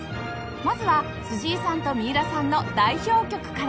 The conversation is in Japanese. まずは辻井さんと三浦さんの代表曲から